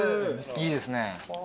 いいですね。